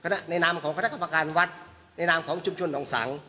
ในนามของคณะกรรมการวัดในนามของชุมชนหนองสัง